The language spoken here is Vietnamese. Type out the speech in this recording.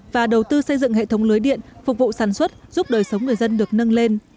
và đầu tư xây dựng hệ thống lưới điện phục vụ sản xuất giúp đời sống người dân được nâng lên